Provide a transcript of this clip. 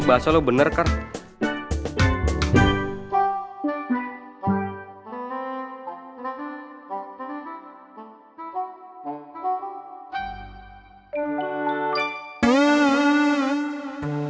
bahasa lo bener karlo